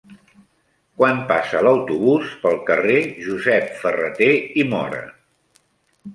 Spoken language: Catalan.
Quan passa l'autobús pel carrer Josep Ferrater i Móra?